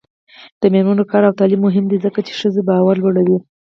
د میرمنو کار او تعلیم مهم دی ځکه چې ښځو باور لوړوي.